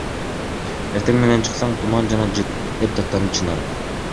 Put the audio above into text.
Эртең менен чыксаң — туман жана жаман жыт, – деп даттанды Чынара.